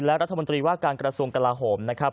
และรัฐบนตรีวาดการกรสวงศ์กระลาโถมนะครับ